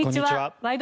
「ワイド！